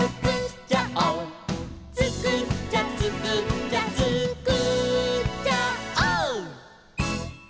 「つくっちゃつくっちゃつくっちゃオー！」